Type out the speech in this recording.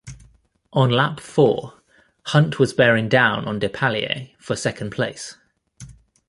On lap four, Hunt was bearing down on Depailler for second place.